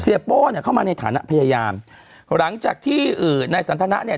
โป้เนี่ยเข้ามาในฐานะพยายามหลังจากที่นายสันทนะเนี่ย